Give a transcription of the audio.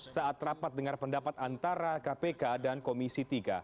saat rapat dengar pendapat antara kpk dan komisi tiga